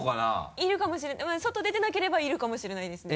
いるかもしれない外出てなければいるかもしれないですね。